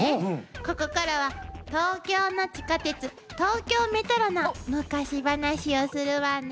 ここからは東京の地下鉄東京メトロの昔話をするわね。